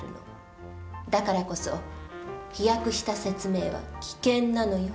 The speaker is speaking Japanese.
だからこそ飛躍した説明は危険なのよ。